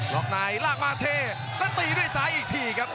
รอกนายลากมาเทแล้วตีด้วยซ้ายอีกทีครับ